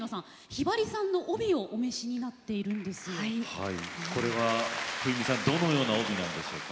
ひばりさんの帯を冬美さん、どのような帯なんですか？